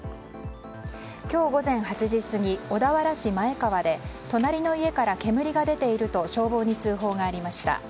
今日午前８時過ぎ小田原市前川で隣の家から煙が出ていると消防に通報がありました。